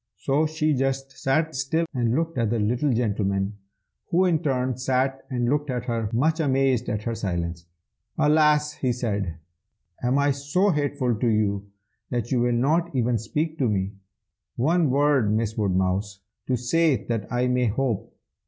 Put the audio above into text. So she just sat still and looked at the little gentleman, who in turn sat and looked at her, much amazed at her silence. "'Alas!' he said, 'am I so hateful to you that you will not even speak to me? One word, Miss Woodmouse, to say that I may hope!'